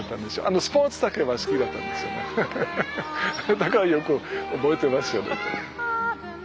だからよく覚えてますよ。